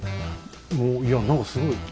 もういや何かすごい。